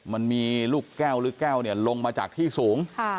มันมีลูกแก้วหรือแก้วลงมาจากที่สูง